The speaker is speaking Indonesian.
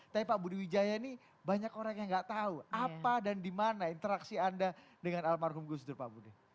tapi pak budi wijaya ini banyak orang yang nggak tahu apa dan di mana interaksi anda dengan almarhum gus dur pak budi